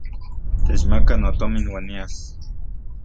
Techmaka notomin uan nias.